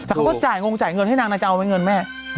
แต่เขาก็จ่ายงงจ่ายเงินให้นางนางจะเอาไว้เงินแม่